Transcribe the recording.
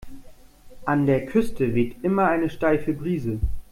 An der Küste weht immer eine steife Brise.